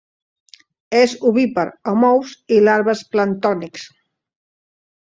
És ovípar amb ous i larves planctònics.